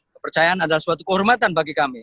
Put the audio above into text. kepercayaan adalah suatu kehormatan bagi kami